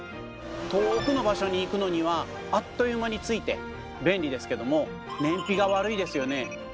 遠くの場所に行くのにはあっという間に着いて便利ですけども燃費が悪いですよね。